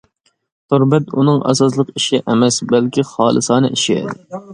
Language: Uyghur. تور بەت ئۇنىڭ ئاساسلىق ئىشى ئەمەس بەلكى خالىسانە ئىشى.